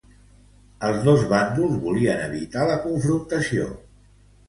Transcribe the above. Els dos bàndols volien evitar la confrontació.